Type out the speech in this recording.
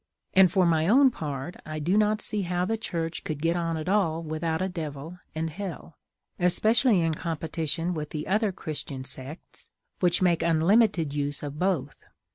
And for my own part, I do not see how the Church could get on at all without a Devil and hell, especially in competition with the other Christian sects, which make unlimited use of both.